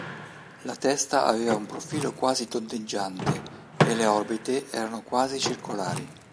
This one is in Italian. La testa aveva un profilo quasi tondeggiante, e le orbite erano quasi circolari.